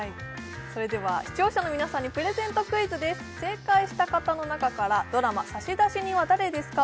それでは視聴者の皆さんにプレゼントクイズです正解した方の中からドラマ「差出人は、誰ですか？」